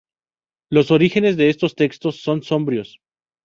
Los orígenes de estos textos son sombríos.